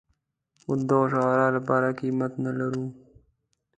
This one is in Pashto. خو د دغه شعار لپاره قيمت نه لرو.